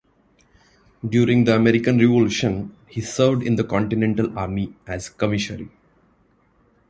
During the American Revolution, he served in the Continental Army as a commissary.